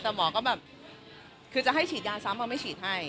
แต่หมอก็แบบคือจะให้ฉีดยาซ้ำว่าไม่ฉีดให้